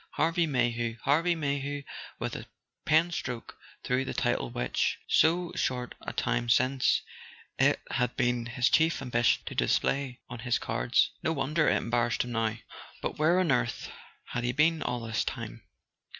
Harvey Mayhew—Harvey Mayhew with a pen stroke through the title which, so short a time since, it had been his chief ambition to display on his cards l No wonder it embarrassed him now. But where on earth had he been all this time?